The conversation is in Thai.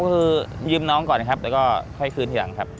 ก็คือยืมน้องก่อนนะครับแล้วก็ค่อยคืนทีหลังครับ